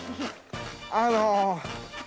あの。